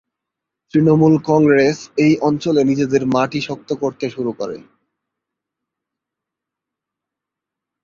তৃণমূল কংগ্রেস এই অঞ্চলে নিজেদের মাটি শক্ত করতে শুরু করে।